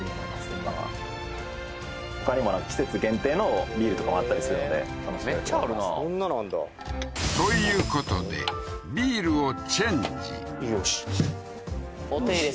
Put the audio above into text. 今はほかにも季節限定のビールとかもあったりするのでめっちゃあるなこんなのあんだということでビールをチェンジお手入れ